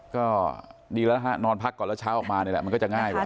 ก็ดีแล้วนะฮะนอนพักก่อนแล้วเช้าออกมานี่แหละมันก็จะง่ายกว่า